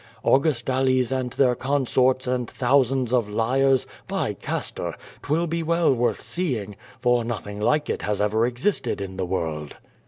Augustales and their consorts and thousands of lyres. By Castor! 'twill be well worth seeing, for nothing like it has ever existed in the world."